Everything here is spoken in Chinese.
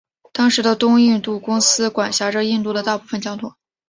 当时的东印度公司管辖着印度的大部分疆土。